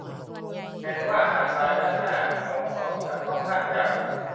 แม้ว่าหาดทรายด้านหน้าของเกาะจะค่อนข้างหยาบ